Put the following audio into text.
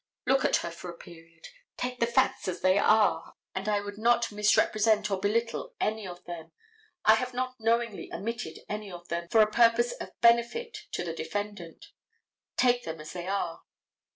Look at it for a period. Take the facts as they are, and I would not misrepresent or belittle any of them. I have not knowingly omitted any of them, for a purpose of benefit to the defendant. Take them as they are.